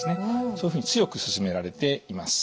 そういうふうに強く勧められています。